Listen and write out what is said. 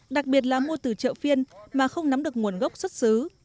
đặc biệt là mua từ chợ phiên mà không nắm được nguồn gốc xuất xứ